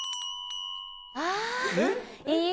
ああ！